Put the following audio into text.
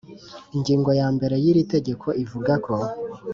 Ingingo ya mbere y’iri tegeko ivuga ko